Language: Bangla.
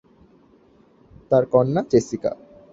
তার কন্যা জেসিকা।